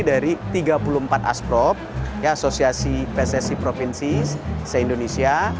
dari tiga puluh empat asprop asosiasi pssi provinsi se indonesia